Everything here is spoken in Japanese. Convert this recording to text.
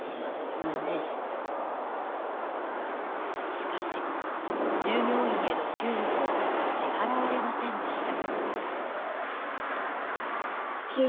しかし、従業員への給与も支払われませんでした。